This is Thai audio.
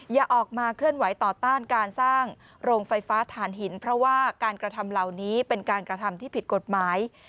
อย่าออกมาเคลื่อนไหวต่อต้านการสร้างโรงไฟฟ้าฐานหินเพราะว่าการกระทำเหล่านี้เป็นการกระทำที่ผิดกฎหมาย